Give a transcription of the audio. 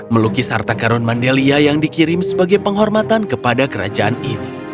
melukis harta karun mandelia yang dikirim sebagai penghormatan kepada kerajaan ini